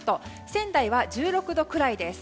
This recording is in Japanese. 仙台は１６度くらいです。